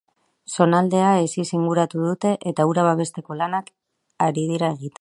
Zonaldea hesiz inguratu dute eta hura babesteko lanak ari dira egiten.